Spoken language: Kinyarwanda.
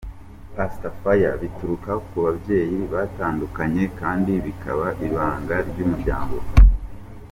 Pastor Fire: Bituruka ku babyeyi batandukanye kandi bikaba ibanga ry'umuryango.